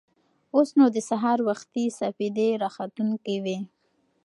اوس نو د سهار وختي سپېدې راختونکې وې.